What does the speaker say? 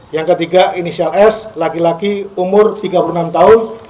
yang ketiga inisial s laki laki umur tiga puluh enam tahun